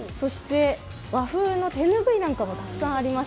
和風の手拭いなんかもたくさんあります。